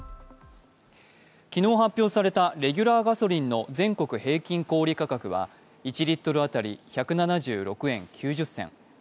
昨日発表されたレギュラーガソリンの全国平均小売価格は１リットル当たり１７６円９０銭。